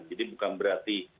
jadi bukan berarti